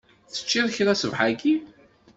Teččiḍ kra ṣṣbeḥ-agi?